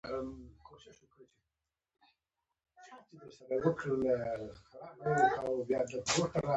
هغه هم راته خپله همداسې يوه کيسه وکړه.